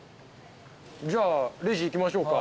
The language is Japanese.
じゃあレジ行きましょうか。